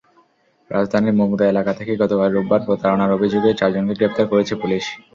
রাজধানীর মুগদা এলাকা থেকে গতকাল রোববার প্রতারণার অভিযোগে চারজনকে গ্রেপ্তার করেছে পুলিশ।